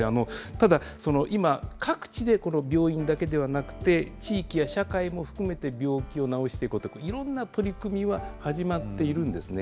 ただ、今、各地でこの病院だけではなくて、地域や社会も含めて病気を治していこうという、いろんな取り組みは始まっているんですね。